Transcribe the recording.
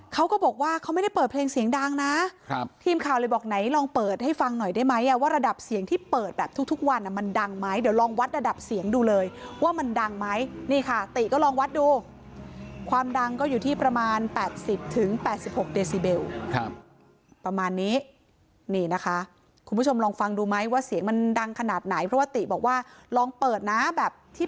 เขาก็บอกว่าเขาไม่ได้เปิดเพลงเสียงดังนะครับทีมข่าวเลยบอกไหนลองเปิดให้ฟังหน่อยได้ไหมว่าระดับเสียงที่เปิดแบบทุกวันมันดังไหมเดี๋ยวลองวัดระดับเสียงดูเลยว่ามันดังไหมนี่ค่ะติก็ลองวัดดูความดังก็อยู่ที่ประมาณ๘๐๘๖เดซิเบลครับประมาณนี้นี่นะคะคุณผู้ชมลองฟังดูไหมว่าเสียงมันดังขนาดไหนเพราะว่าติบอกว่าลองเปิดนะแบบที่